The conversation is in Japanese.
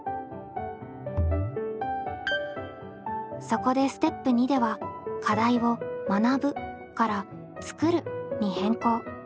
そこでステップ２では課題を「学ぶ」から「作る」に変更。